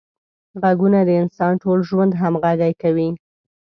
غوږونه د انسان ټول ژوند همغږي کوي